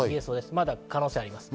まだ可能性があります。